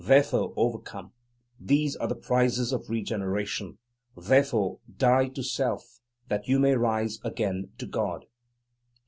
Therefore overcome. These are the prizes of regeneration. Therefore die to self, that you may rise again to God. 26.